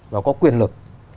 và có quyền lực